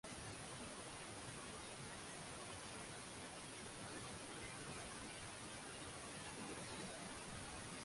Wapangwa ni kabila la watu kutoka Milima Livingstone karibu na pwani ya mashariki ya